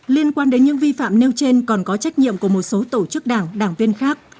liên quan đến những vi phạm nêu trên còn có trách nhiệm của một số tổ chức đảng đảng viên khác